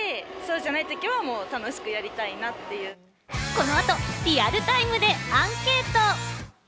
この後、リアルタイムでアンケート。